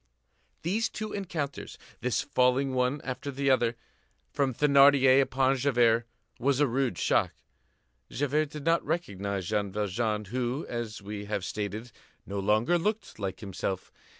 These two encounters, this falling one after the other, from Thénardier upon Javert, was a rude shock. Javert did not recognize Jean Valjean, who, as we have stated, no longer looked like himself.